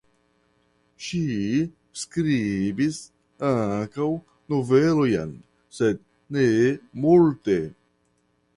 Ŝi skribis ankaŭ novelojn sed ne multe.